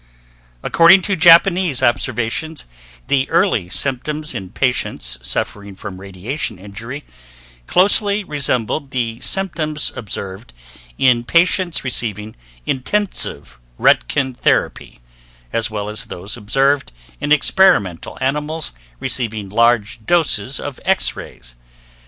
According to Japanese observations, the early symptons in patients suffering from radiation injury closely resembled the symptons observed in patients receiving intensive roentgen therapy, as well as those observed in experimental animals receiving large doses of X rays.